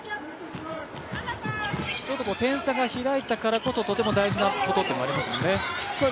ちょっと点差が開いたからこそとても大事なことってありますよね。